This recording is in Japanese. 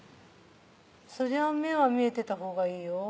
「それは目は見えてたほうがいいよ」